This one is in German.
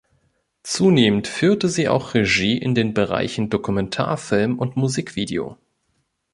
Zunehmend führte sie auch Regie in den Bereichen Dokumentarfilm und Musikvideo.